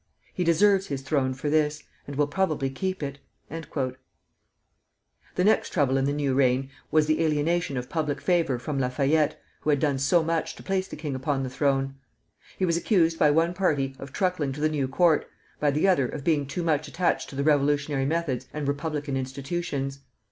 He deserves his throne for this, and will probably keep it." The next trouble in the new reign was the alienation of public favor from Lafayette, who had done so much to place the king upon the throne. He was accused by one party of truckling to the new court, by the other of being too much attached to revolutionary methods and republican institutions.